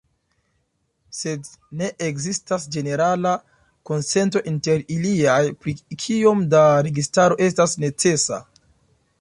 Sed ne ekzistas ĝenerala konsento inter iliaj pri kiom da registaro estas necesa.